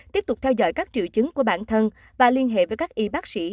tiếp tục theo dõi các triệu chứng của bản thân và liên hệ với các y bác sĩ